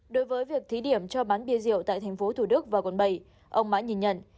đối với việc thí điểm cho bán bia rượu tại tp hcm và quận bảy ông mãi nhìn nhận